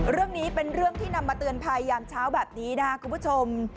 เรื่องนี้เป็นเรื่องที่นำมาเตือนภัยยามเช้าแบบนี้นะครับคุณผู้ชม